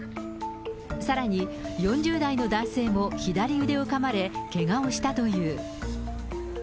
さらに４０代の男性も左腕をかまれ、けがをしたという。